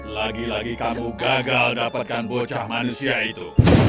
lagi lagi kamu gagal dapatkan bocah manusia itu